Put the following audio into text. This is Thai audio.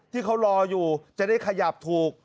ที่เขารออยู่จะได้ขยับถูก